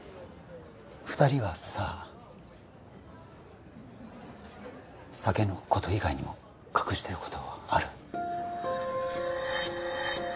２人はさ酒のこと以外にも隠してることある？